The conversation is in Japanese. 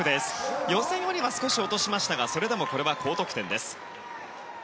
予選よりは少し落としましたがそれでも高得点です。